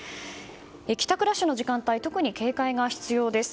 帰宅ラッシュの時間帯特に警戒が必要です。